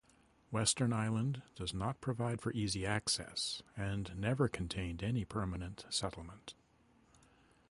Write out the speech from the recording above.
Western Island does not provide for easy access and never contained any permanent settlement.